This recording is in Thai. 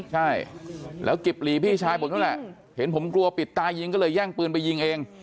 ใช่แล้วกิบหลีพี่ชายผมนั่นแหละเห็นผมกลัวปิดตายิงก็เลยแย่งปืนไปยิงเอง